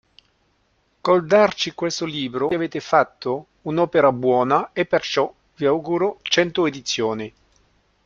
Col darci questo libro voi avete fatto un'opera buona e perciò vi auguro cento edizioni.